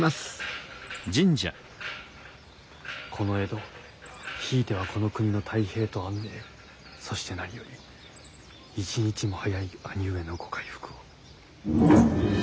この江戸ひいてはこの国の太平と安寧そして何より一日も早い兄上のご回復を。